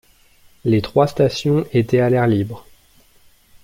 Les trois stations étaient à l'air libre.